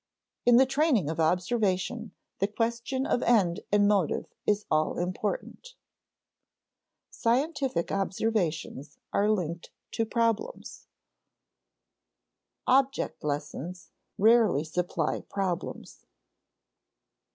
In the training of observation the question of end and motive is all important. [Sidenote: Scientific observations are linked to problems] [Sidenote: "Object lessons" rarely supply problems] III.